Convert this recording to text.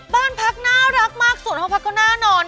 บ้านพักน่ารักมากส่วนห้องพักก็แน่นอน